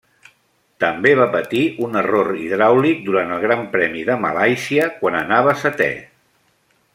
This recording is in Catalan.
També va patir un error hidràulic durant el Gran Premi de Malàisia, quan anava setè.